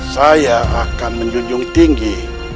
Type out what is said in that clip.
saya akan menjunjung tinggi